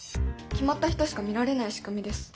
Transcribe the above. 決まった人しか見られない仕組みです。